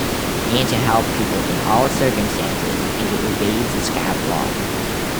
And to help people in all circumstances and to obey the Scout Law.